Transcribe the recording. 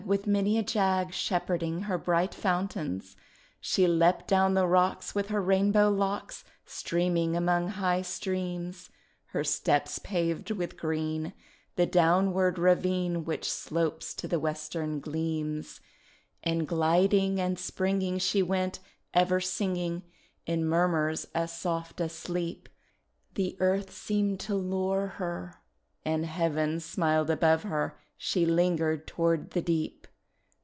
With many a jag, Shepherding her bright fountains. She leapt down the rocks, With her rainbow locks Streaming among Hie streams; — Her steps paved with green The downward ravine Which slopes to the western gleams; And gliding and springing She went, ever singing, In murmurs as soft as sleep; The Earth seemed to lore her, And Heaven smiled above her, she lingered toward* the deep.